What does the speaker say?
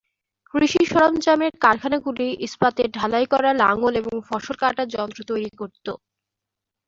কৃষি-সরঞ্জামের কারখানাগুলি ইস্পাতের ঢালাই করা লাঙল এবং ফসল কাটার যন্ত্র তৈরি করত।